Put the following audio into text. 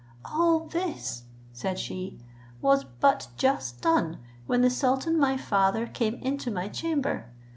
"All this," said she, "was but just done, when the sultan my father came into my chamber.